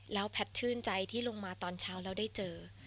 แล้วแพทย์ชื่นใจที่ลงมาตอนเช้าแล้วได้เจอ